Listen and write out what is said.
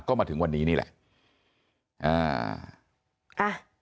ก็มาถึงวันนี้นี่แหละอ่าอ่ะ